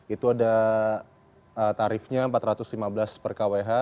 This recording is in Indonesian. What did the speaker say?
itu ada tarifnya rp empat ratus lima belas per kwh